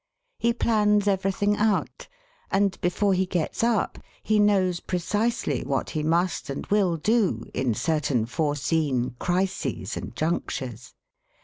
He plans everything out, and before he gets up he knows precisely what he must and will do in certain foreseen crises and junctures.